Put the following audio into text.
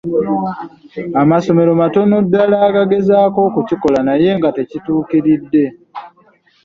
Amasomero matono ddala agagezako okukikola naye nga tekituukiridde.